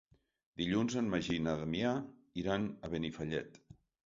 Dilluns en Magí i na Damià iran a Benifallet.